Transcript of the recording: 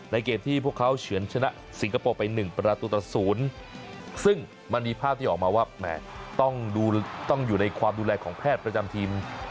เกมที่พวกเขาเฉือนชนะสิงคโปร์ไป๑ประตูต่อ๐ซึ่งมันมีภาพที่ออกมาว่าแหมต้องอยู่ในความดูแลของแพทย์ประจำทีม